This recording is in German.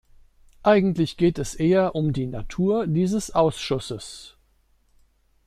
Eigentlich geht es eher um die Natur dieses Ausschusses.